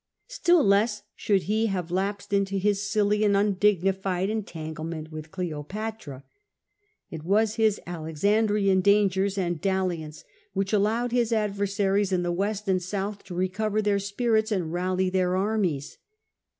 Still less should he have lapsed into his silly and undignified entanglement with Cleopatra. It was his Alexandrian dangers and dalliance which allowed his adversaries in the west and south to recover their spirits and rally their armies.